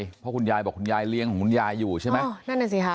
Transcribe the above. เพราะคุณยายบอกคุณยายเลี้ยงของคุณยายอยู่ใช่ไหม